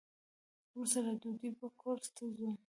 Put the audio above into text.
وروسته له ډوډۍ به کورس ته ځو.